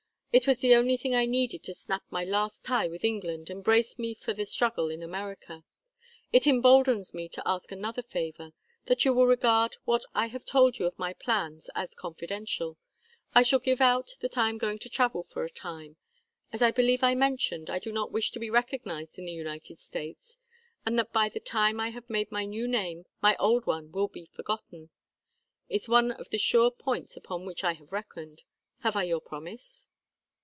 It was the only thing I needed to snap my last tie with England and brace me for the struggle in America. It emboldens me to ask another favor that you will regard what I have told you of my plans as confidential. I shall give out that I am going to travel for a time. As I believe I mentioned, I do not wish to be recognized in the United States; and that by the time I have made my new name my old one will be forgotten, is one of the sure points upon which I have reckoned. Have I your promise?"